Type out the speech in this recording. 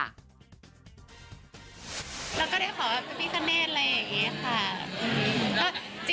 เราก็ได้ขอว่าพี่ก็เน่นอะไรอย่างนี้ค่ะ